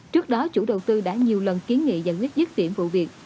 trước đó chủ đầu tư đã nhiều lần kiến nghị giải quyết dứt điểm vụ việc